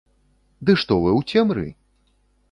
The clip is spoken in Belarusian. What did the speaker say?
Ды што вы ў цемры?